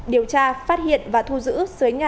điều tra phát hiện và thu giữ